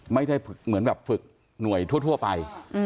ไม่ได้เหมือนแบบฝึกหน่วยทั่วไป